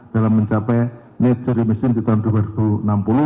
dalam mencapai net zero emission di tahun dua ribu enam puluh